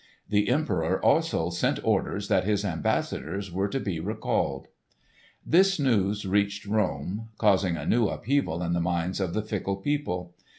The Emperor also sent orders that his ambassadors were to be recalled. This news, reaching Rome, caused a new upheaval in the minds of the fickle people.